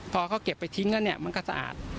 พอเขาเก็บไปทิ้งแล้วเนี่ยมันก็สะอาด